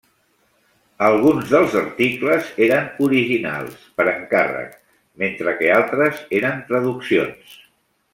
Alguns dels articles eren originals, per encàrrec, mentre que altres eren traduccions.